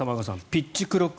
ピッチクロック。